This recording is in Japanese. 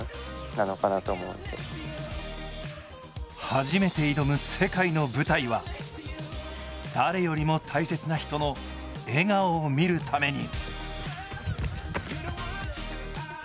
初めて挑む世界の舞台は誰よりも大切な人の笑顔を見るために。